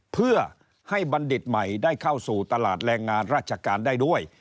เพื่อให้บัณฑิตใหม่ได้เข้าสู่ตลาดแรงงานราชการได้ด้วย